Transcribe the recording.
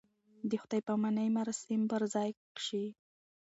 د خدای پامانۍ مراسم پر ځای شي.